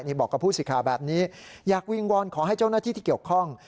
นี่บอกกับผู้สื่อข่าวแบบนี้อยากวิงวอนขอให้เจ้าหน้าที่ที่เกี่ยวข้อง